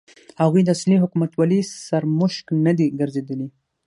هغوی د اصلي حکومتولۍ سرمشق نه دي ګرځېدلي.